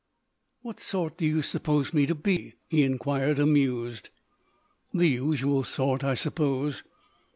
"What sort do you suppose me to be?" he inquired, amused. "The usual sort, I suppose."